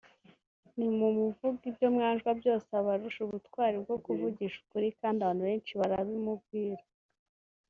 Nimumuvuge ibyo mwanjwa byose abarusha ubutwari bwo kuvugisha ukuri kandi abantu benshi barabimwubahira